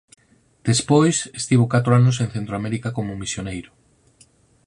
Despois estivo catro anos en Centroamérica como misioneiro.